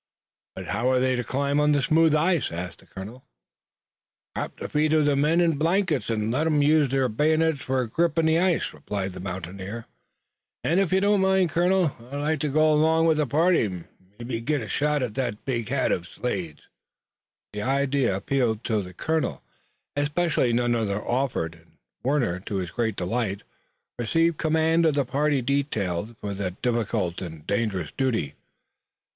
"But how are they to climb on the smooth ice?" asked the colonel. "Wrap the feet uv the men in blankets, an' let 'em use their bayonets for a grip in the ice," replied the mountaineer, "an' ef you don't mind, colonel, I'd like to go along with the party. Mebbe I'd git a shot at that big hat uv Slade's." The idea appealed to the colonel, especially as none other offered, and Warner, to his great delight, received command of the party detailed for the difficult and dangerous duty.